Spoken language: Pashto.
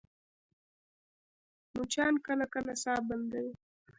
مچان کله کله ساه بندوي